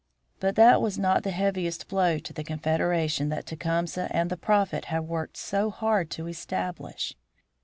But that was not the heaviest blow to the confederation that Tecumseh and the Prophet had worked so hard to establish.